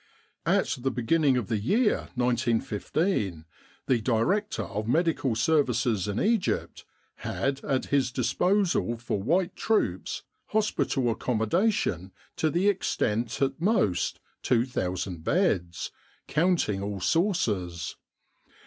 At the beginning of the year 1915 the Director of Medical Services in Egypt had at his disposal for white troops hospital accommodation to the extent of at most 2,000 beds, counting all sources.